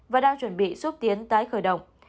và đang chuẩn bị xúc tiến tái khởi động